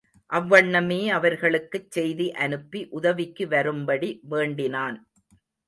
அவ்வண்ணமே அவர்களுக்குச் செய்தி அனுப்பி உதவிக்கு வரும்படி வேண்டினான்.